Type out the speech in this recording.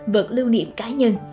vật lưu niệm cá nhân